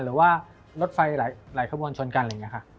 หรือว่ารถไฟหลายขบวนชนกัน